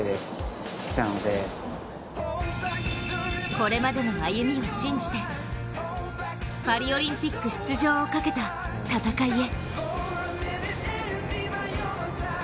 これまでの歩を信じてパリオリンピック出場をかけた戦いへ。